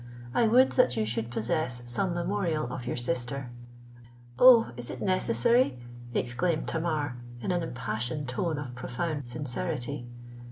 I would that you should possess some memorial of your sister——"—"Oh! is it necessary?" exclaimed Tamar, in an impassioned tone of profound sincerity.